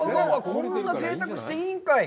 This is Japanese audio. こんなぜいたくしていいんかい。